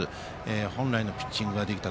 本来のピッチングができた。